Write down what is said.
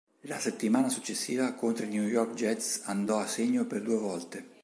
La settimana successiva contro i New York Jets andò a segno per due volte.